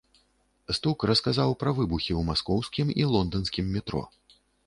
Стук расказаў пра выбухі ў маскоўскім і лонданскім метро.